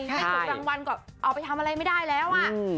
ถ้าถูกรางวัลก็เอาไปทำอะไรไม่ได้แล้วอ่ะ